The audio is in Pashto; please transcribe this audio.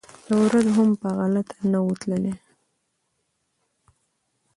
یوه ورځ هم پر غلطه نه وو تللی